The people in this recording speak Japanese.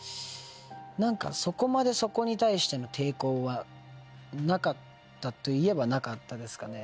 何かそこまでそこに対しての抵抗はなかったといえばなかったですかね。